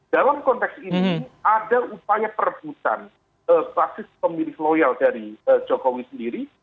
dalam konteks ini ada upaya perebutan basis pemilih loyal dari jokowi sendiri